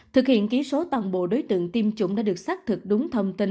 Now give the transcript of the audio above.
thực hiện ký số toàn bộ đối tượng tiêm chủng đã được xác thực đúng thông tin